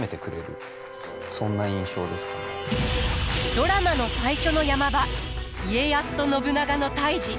ドラマの最初の山場家康と信長の対じ。